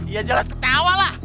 iya jelas ketawa lah